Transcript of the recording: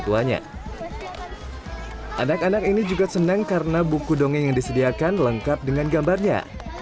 tuanya anak anak ini juga senang karena buku dongeng yang disediakan lengkap dengan gambarnya